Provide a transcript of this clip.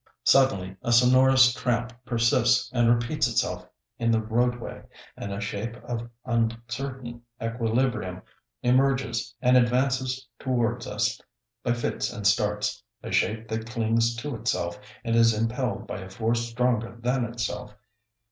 Suddenly a sonorous tramp persists and repeats itself in the roadway, and a shape of uncertain equilibrium emerges and advances towards us by fits and starts; a shape that clings to itself and is impelled by a force stronger than itself.